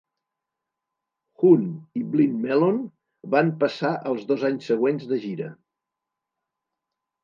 Hoon i Blind Melon van passar els dos anys següents de gira.